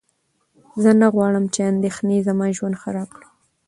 زه نه غواړم چې اندېښنې زما ژوند خراب کړي.